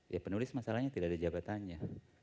ya penulis masalahnya tidak ada jabatannya